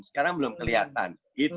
sekarang belum kelihatan